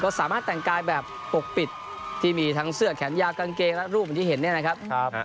สามารถแต่งกายแบบปกปิดที่มีทั้งเสื้อแขนยาวกางเกงและรูปเหมือนที่เห็นเนี่ยนะครับ